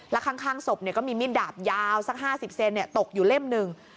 แล้วข้างศพก็มีมีดดาบยาวสัก๕๐เซนตกอยู่เล่มหนึ่ง